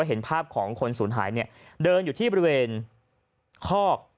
เห็นภาพของคนศูนย์หายเนี่ยเดินอยู่ที่บริเวณคอก